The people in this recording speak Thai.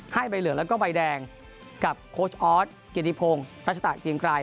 ใบเหลืองแล้วก็ใบแดงกับโค้ชออสเกียรติพงศ์รัชตะเกียงไกร